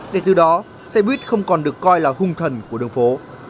để từ đó xe buýt không còn được coi là hung thần của đường phố